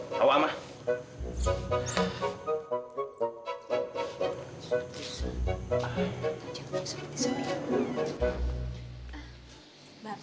kasur busa tajamnya seperti sembilu